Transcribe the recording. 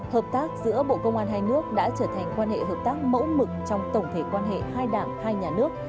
hợp tác giữa bộ công an hai nước đã trở thành quan hệ hợp tác mẫu mực trong tổng thể quan hệ hai đảng hai nhà nước